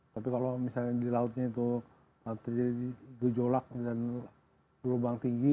tapi kalau misalnya di lautnya itu terjadi gejolak dan gelombang tinggi